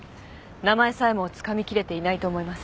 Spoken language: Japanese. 名前さえもつかみきれていないと思います。